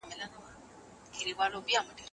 طلاقونه خو هره ورځ واقع کيږي.